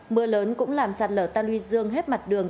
mưa lớn cũng làm sạt lở ta luy dương hết mặt đường